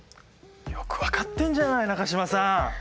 よく分かってんじゃない中島さん！